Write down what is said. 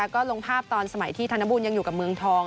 ก็ลงภาพตอนสมัยที่ธนบุญยังอยู่กับเมืองทอง